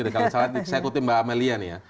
kalau salah saya kutip mbak amelia nih ya